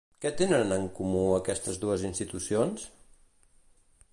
Què tenen, en comú, aquestes dues institucions?